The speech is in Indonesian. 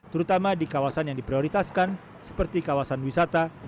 terutama di kawasan yang diprioritaskan seperti kawasan wisata